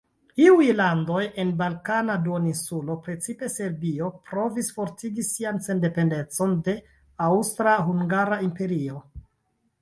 Iuj landoj en Balkana duoninsulo, precipe Serbio, provis fortigi sian sendependecon de Aŭstra-Hungara Imperio.